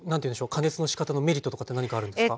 加熱のしかたのメリットとかって何かあるんですか？